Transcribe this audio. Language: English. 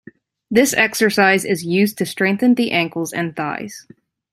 This exercise is used to strengthen the ankles and thighs.